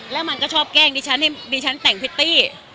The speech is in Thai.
แล้วมันก็ชอบแกล้งดิฉันให้ดิฉันแต่งพริตตี้